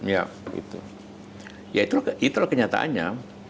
ya itu kenyataannya